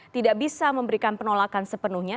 tidak bisa memberikan penolakan sepenuhnya